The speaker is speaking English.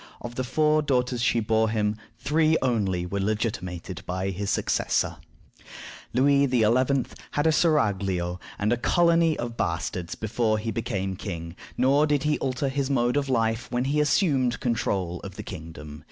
Of the four daughters she bore him, three only were legitimated by his successor. Louis XI. had a seraglio and a colony of bastards before he became king, nor did he alter his mode of life when he assumed control of the kingdom.